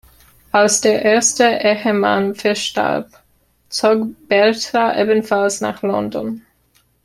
Als der erste Ehemann verstarb, zog Bertha ebenfalls nach London.